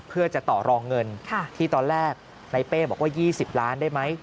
เพื่อจะต่อรองเงินที่ตอนแรกในเป้บอกว่า๒๐ล้านได้ไหม